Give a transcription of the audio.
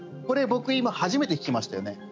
これ僕今初めて聞きましたよね。